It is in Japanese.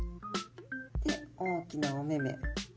で大きなお目々。